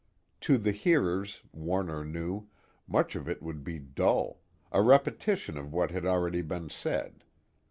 To the hearers, Warner knew, much of it would be dull, a repetition of what had already been said.